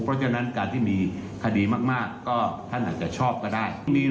เพราะท่านการที่มีคดีที่มีมากท่านอาจจะชอบก็ได้